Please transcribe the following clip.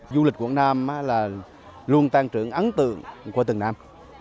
du lịch quảng nam luôn tăng trưởng ấn tượng của tầng nam